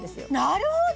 なるほど！